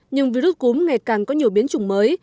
nhưng virus cúm ngày càng có nhiều biến chủng mới